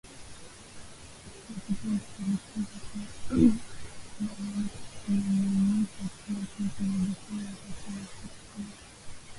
hiki huwa kipindi cha likizo kwao inaaminika pia kuwa kurudi kwao wakati wa Krismasi